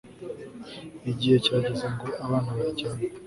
Igihe kirageze ngo abana baryame